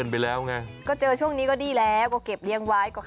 บ๊าย